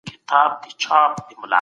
تاسو به د خپل ذهن په رڼا کي لاره ومومئ.